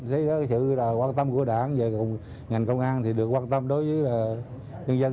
thấy đó cái sự quan tâm của đảng về cùng ngành công an thì được quan tâm đối với nhân dân